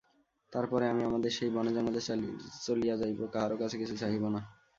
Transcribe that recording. তার পরে আমি আমাদের সেই বনে-জঙ্গলে চলিয়া যাইব, কাহারো কাছে কিছুই চাহিব না।